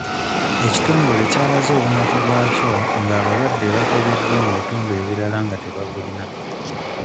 Ekitongole ky'alaze obunafu bwakyo nga abalwadde bakebeddwa mu bitundu ebirala nga tebabulina.